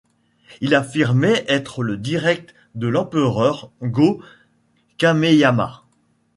Il affirmait être le direct de l'empereur Go-Kameyama.